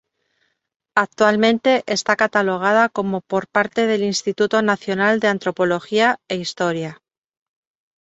Actualmente está catalogada como por parte del Instituto Nacional de Antropología e Historia.